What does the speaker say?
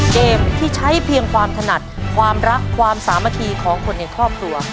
เกมที่ใช้เพียงความถนัดความรักความสามัคคีของคนในครอบครัว